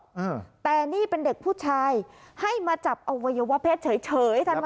อืมแต่นี่เป็นเด็กผู้ชายให้มาจับเอาวัยวะเพศเฉยทำไมอย่างนี้